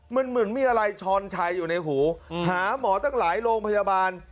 มันเหมือนมีอะไรช้อนชัยอยู่ในหูหาหมอตั้งหลายโรงพยาบาล